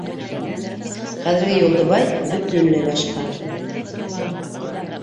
Хәҙерге Юлдыбай бөтөнләй башҡа.